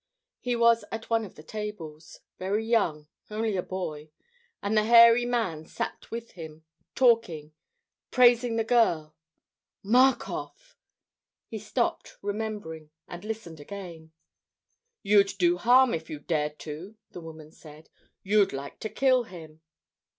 He was at one of the tables, very young, only a boy. And the hairy man sat with him, talking, praising the girl. Markoff! He stopped, remembering, and listened again. "You'd do harm if you dared to," the woman said. "You'd like to kill him."